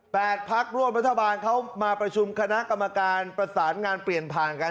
พักร่วมรัฐบาลเขามาประชุมคณะกรรมการประสานงานเปลี่ยนผ่านกัน